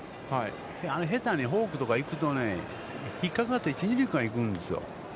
下手にフォークとか行くとね、ひっかかって、一・二塁間に行くんですよ。